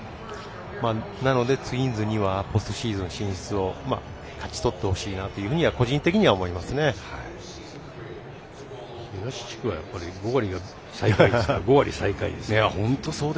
なので、ツインズにはポストシーズン進出を勝ち取ってほしいなと東地区は５割が最下位ですね。